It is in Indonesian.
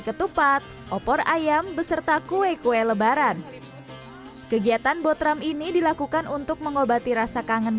ketupat opor ayam beserta kue kue lebaran kegiatan botram ini dilakukan untuk mengobati rasa kangen